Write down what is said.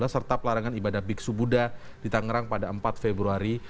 serta pelarangan ibadah biksu buddha di tangerang pada empat februari dua ribu delapan belas